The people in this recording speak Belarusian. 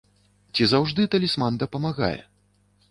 Ці заўжды талісман дапамагае?